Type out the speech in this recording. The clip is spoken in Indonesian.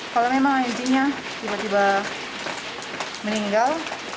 kalau memang izinnya tiba tiba meninggal